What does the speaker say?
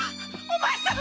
お前さん！